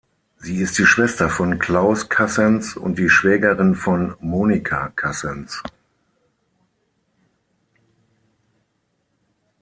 Sie ist die Schwester von Claus Cassens und die Schwägerin von Monika Cassens.